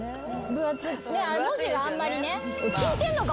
あれ文字があんまりね。